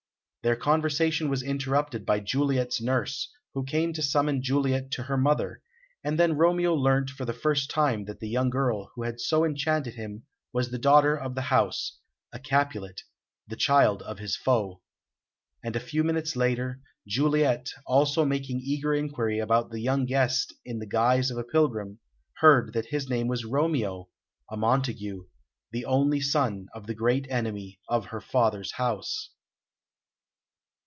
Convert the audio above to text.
Their conversation was interrupted by Juliet's nurse, who came to summon Juliet to her mother, and then Romeo learnt for the first time that the young girl who had so enchanted him was the daughter of the house, a Capulet, the child of his foe. And a few minutes later, Juliet, also making eager inquiry about the young guest in the guise of a pilgrim, heard that his name was Romeo, a Montague, the only son of the great enemy of her father's house.